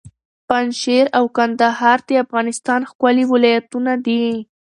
پنجشېر او کندهار د افغانستان ښکلي ولایتونه دي.